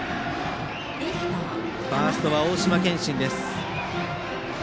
ファーストは大島健真です。